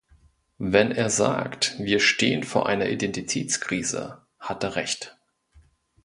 Wenn er sagt "wir stehen vor einer Identitätskrise", hat er Recht.